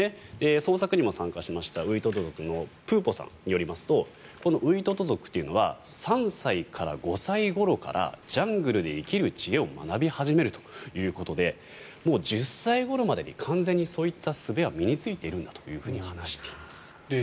捜索にも参加しましたウイトト族のプーポさんによりますとこのウイトト族は３歳から５歳ごろからジャングルで生きる知恵を学び始めるということでもう１０歳ごろまでに完全にそういったすべは身についているんだと話しています。